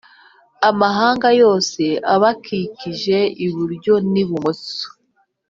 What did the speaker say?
Amahanga yose abakikije iburyo n ibumoso